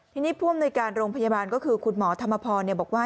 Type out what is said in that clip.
ที่นี่ภูมิในการโรงพยาบาลก็คือคุณหมอธรรมพรเนี่ยบอกว่า